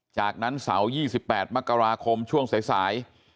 จากนั้นเสาร์๒๘มกราคมช่วงสาย